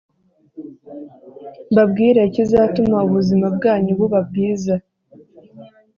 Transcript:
mbabwire ikizatuma ubuzima bwanyu buba bwiza